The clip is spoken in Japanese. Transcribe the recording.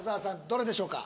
どれでしょうか？